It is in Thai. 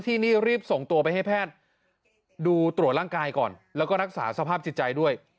ที่นี่รีบส่งตัวไปให้แพทย์ดูตรวจร่างกายก่อนแล้วก็รักษาสภาพจิตใจด้วย